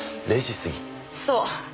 そう。